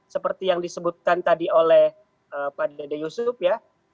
seperti yang disebutkan tadi oleh pak dede yusuf ya